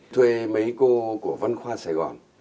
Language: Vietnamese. thuê mấy cô của văn khoa sài gòn